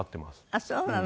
あっそうなの。